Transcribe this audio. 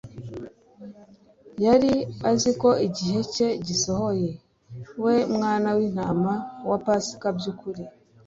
Yari azi ko igihe cye gisohoye; we Mwana w'intama wa Pasika by'ukuri,